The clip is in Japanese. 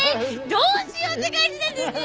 どうしようって感じなんだよね。